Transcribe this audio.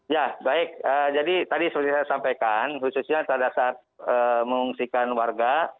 ya baik jadi tadi seperti saya sampaikan khususnya pada saat mengungsikan warga